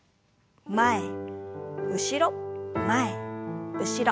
前後ろ前後ろ。